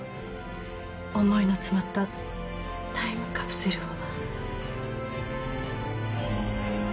思いの詰まったタイムカプセルを。